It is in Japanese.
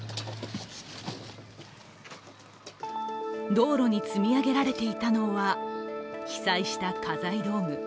道路に積み上げられていたのは被災した家財道具。